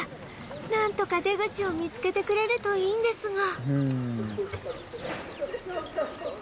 なんとか出口を見つけてくれるといいんですが